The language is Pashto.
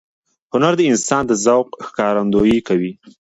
هنر د انسان د ذوق ښکارندویي کوي.